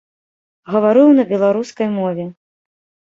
Гаварыў на беларускай мове.